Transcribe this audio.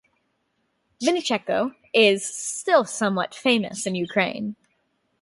Vynnychenko is still somewhat famous in Ukraine.